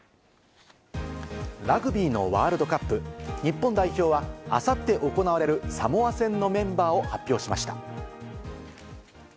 ラグビーのワールドカップ、日本代表はあさって行われるサモア戦のメンバーを発表しました。